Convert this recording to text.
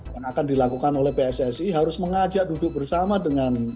yang akan dilakukan oleh pssi harus mengajak duduk bersama dengan